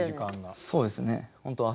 そうですね。